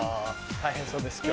大変そうです今日は。